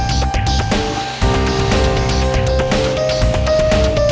itu cuma di bujung bujung